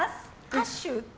歌手？